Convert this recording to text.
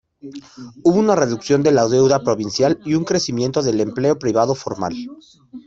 Hubo una reducción de la deuda provincial y un crecimiento del empleo privado formal.